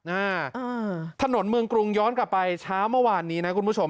อ่าถนนเมืองกรุงย้อนกลับไปเช้าเมื่อวานนี้นะคุณผู้ชม